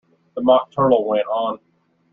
The Mock Turtle went on.